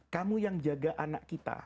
kamu yang jaga anak kita